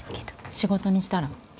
仕事にしたら？